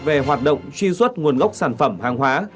về hoạt động truy xuất nguồn gốc sản phẩm hàng hóa